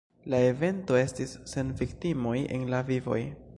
La evento estis sen viktimoj en la vivoj.